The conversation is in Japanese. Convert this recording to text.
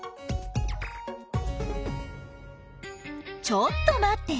ちょっと待って。